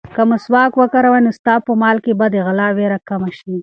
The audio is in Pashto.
که مسواک وکاروې، نو ستا په مال کې به د غلا وېره کمه شي.